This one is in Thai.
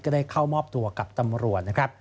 ได้เข้ามอบตัวกับตำรวจนะครับ